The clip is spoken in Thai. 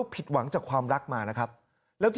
เผื่อ